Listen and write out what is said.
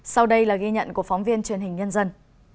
sau đây là ghi nhận của phóng viên truyền hình nhân dân